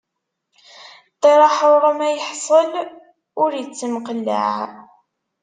Ṭṭiṛ aḥṛuṛ ma iḥṣel, ur ittemqellaɛ.